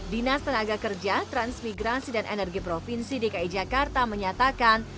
dinas tenaga kerja transmigrasi dan energi provinsi dki jakarta menyatakan